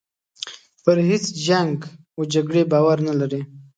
پر هیچ جنګ و جګړې باور نه لري.